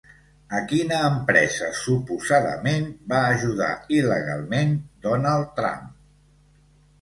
A quina empresa suposadament va ajudar il·legalment Donald Trump?